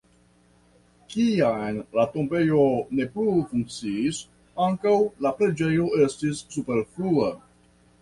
Kiam la tombejo ne plu funkciis, ankaŭ la preĝejo estis superflua.